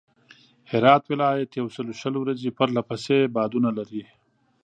هرات ولایت یوسلوشل ورځي پرله پسې بادونه لري.